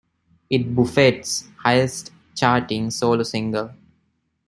It Buffett's highest charting solo single.